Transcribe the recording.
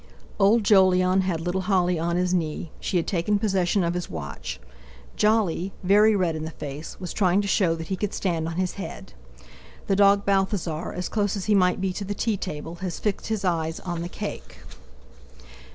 Old Jolyon had little Holly on his knee; she had taken possession of his watch; Jolly, very red in the face, was trying to show that he could stand on his head. The dog Balthasar, as close as he might be to the tea table, had fixed his eyes on the cake.